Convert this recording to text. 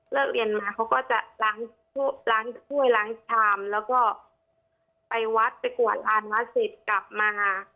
เรียนมาเขาก็จะล้างถ้วยล้างชามแล้วก็ไปวัดไปกวดลานวัดเสร็จกลับมา